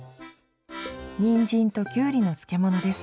にんじんときゅうりの漬物です。